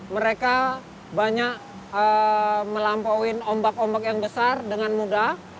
mereka banyak melampauin ombak ombak yang besar dengan mudah